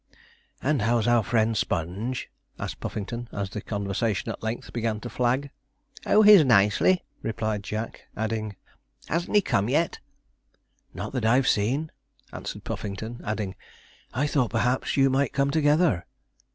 'And how's our friend Sponge?' asked Puffington, as the conversation at length began to flag. 'Oh, he's nicely,' replied Jack, adding, 'hasn't he come yet?' 'Not that I've seen,' answered Puffington, adding, 'I thought, perhaps, you might come together.'